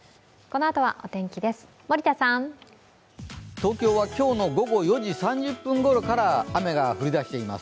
東京は今日の午後４時３０分ごろから雨が降り出しています。